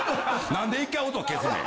なんで１回音消すねん。